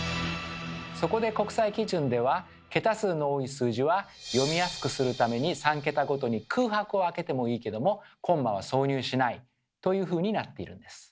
そこで国際基準では「桁数の多い数字は読みやすくするために３桁ごとに空白を空けてもいいけどもコンマは挿入しない」というふうになっているんです。